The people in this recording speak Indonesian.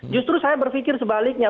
justru saya berpikir sebaliknya